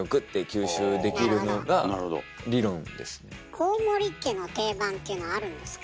大森家の定番っていうのあるんですか？